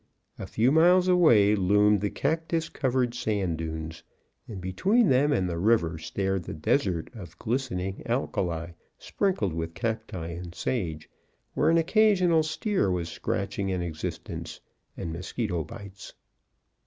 A few miles away loomed the cacti covered sand dunes, and between them and the river stared the desert of glistening alkali, sprinkled with cacti and sage, where an occasional steer was scratching an existence and mosquito bites.